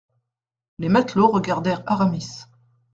Les matelots regardèrent Aramis.